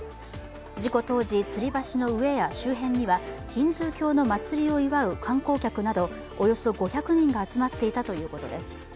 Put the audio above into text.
事故当時、つり橋の上や周辺にはヒンズー教の祭りを祝う観光客などおよそ５００人が集まっていたということです。